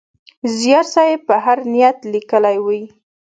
زیار صېب په هر نیت لیکلی وي.